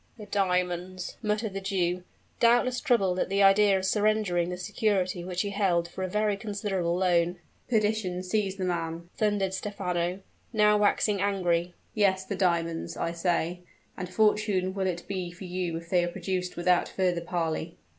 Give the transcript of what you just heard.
"The diamonds!" muttered the Jew, doubtless troubled at the idea of surrendering the security which he held for a very considerable loan. "Perdition seize the man!" thundered Stephano, now waxing angry. "Yes, the diamonds, I say; and fortunate will it be for you if they are produced without further parley."